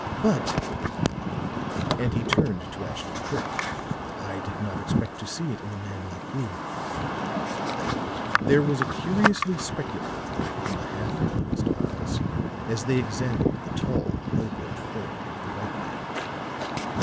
But," and he turned to Ashton Kirk, "I did not expect to see it in a man like you." There was a curiously speculative look in the half closed eyes as they examined the tall, well built form of the white man.